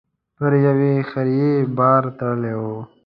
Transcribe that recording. پر يوې خرې بار تړلی و.